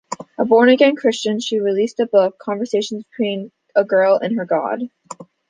A born-again Christian, she released a book, "Conversations Between a Girl and her God".